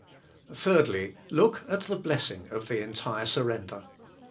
Thirdly, look at the blessing of the entire sur render.